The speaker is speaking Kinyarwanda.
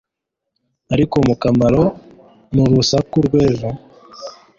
Ariko mu kamaro n'urusaku rw'ejo